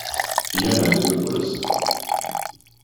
Fiona is a Buddhist.